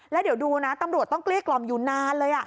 แล้วเดี๋ยวดูนะตำรวจต้องเกลี้กล่อมอยู่นานเลย